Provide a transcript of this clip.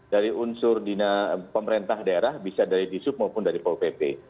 dari unsur pemerintah daerah bisa dari jisub maupun dari popp